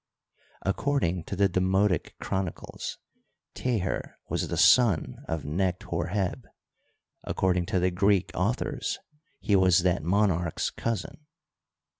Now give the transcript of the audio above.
According to the Demotic Chronicles, Teher was the son of Necht Hor heb ; according to the Greek authors, he was that monarch's cousin.